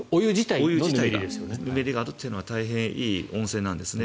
ぬめりがあるというのは大変いい温泉なんですね